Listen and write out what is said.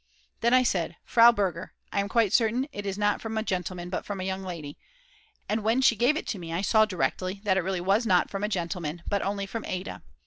Then I said: "Frau Berger, I am quite certain it is not from a gentleman, but from a young lady," and when she gave it to me I saw directly that it really was not from a gentleman but only from Ada!